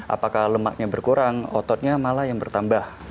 apakah lemaknya berkurang ototnya malah yang bertambah